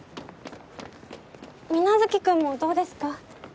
皆月君もどうですか？